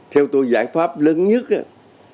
theo tôi giải pháp lớn nhất